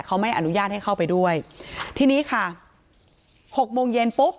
เขาไม่อนุญาตให้เข้าไปด้วยทีนี้ค่ะหกโมงเย็นปุ๊บ